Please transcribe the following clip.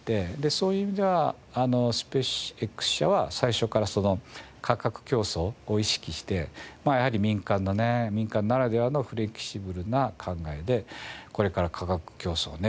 そういう意味ではスペースＸ社は最初から価格競争を意識してやはり民間のね民間ならではのフレキシブルな考えでこれから価格競争をね